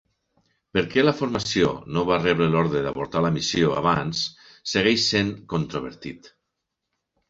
Per què la formació no va rebre l'ordre d'avortar la missió abans segueix sent controvertit.